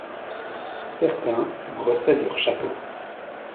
Certains brossaient leurs chapeaux.